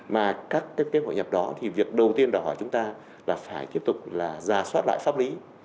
mà các cái kế hoạch nhập đó thì việc đầu tiên đòi hỏi chúng ta là phải tiếp tục là giả soát lại pháp lý